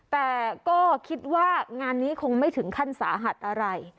แต่ก็คิดว่างานนี้คงไม่ถึงขั้นสาหัสอะไร